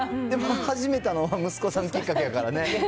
でも始めたのは息子さんきっかけやからね。